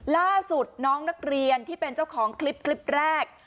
ล่าสุดน้องนักเรียนที่เป็นเจ้าของคลิปคลิปแรก